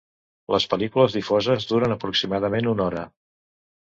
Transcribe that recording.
Les pel·lícules difoses duren aproximadament una hora.